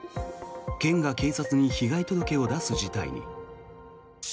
県が警察に被害届を出す事態に。